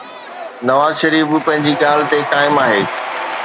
نواز شريف به پنهنجي ڳالهه تي قائم آهي.